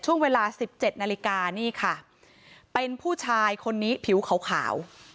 ช่วงเวลาสิบเจ็ดนาฬิกานี่ค่ะเป็นผู้ชายคนนี้ผิวขาว